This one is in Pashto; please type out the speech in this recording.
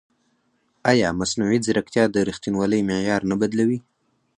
ایا مصنوعي ځیرکتیا د ریښتینولۍ معیار نه بدلوي؟